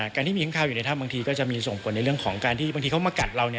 การที่มีค้างคาวอยู่ในถ้ำบางทีก็จะมีส่งผลในเรื่องของการที่บางทีเขามากัดเรา